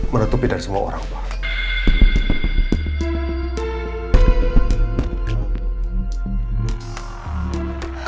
menutupi dari semua orang pak